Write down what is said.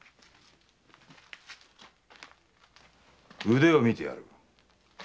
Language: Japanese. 腕を見てやる。